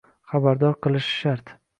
xabardor qilishi shart.